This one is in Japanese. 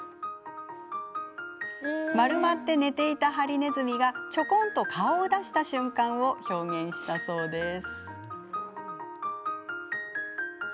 丸まって寝ていたハリネズミがちょこんと顔を出した瞬間を表現したそうです。